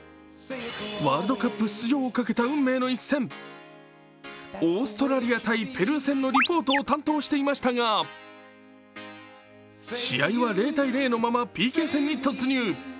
ワールドカップ出場をかけた運命の一戦、オーストラリア×ペルー戦のリポートを担当していましたが、試合は０−０のままＰＫ戦に突入。